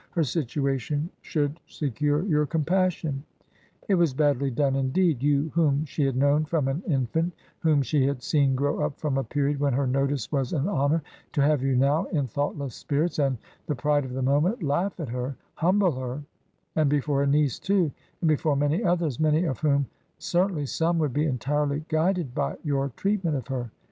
Her situation should secure your compassion. It was badly done, indeed I You, whom she had known from an infant, whom she had seen grow up from a period when her notice was an honor — ^to have you now, in thoughtless spirits, and the pride of the moment, laugh at her, humble her — ^and before her niece, too — and before many others, many of whom (certainly some) would be entirely guided by your treatment of her.